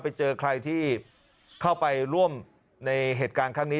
ไปเจอใครที่เข้าไปร่วมในเหตุการณ์ครั้งนี้